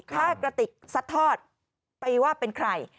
ถ้ากระติกซัดทอดไปว่าเป็นใคร